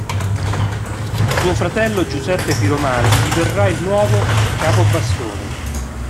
Suo fratello Giuseppe Piromalli diverrà il nuovo capobastone.